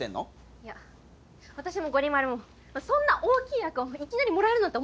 いや私もゴリ丸もそんな大きい役をいきなりもらえるなんて思ってません。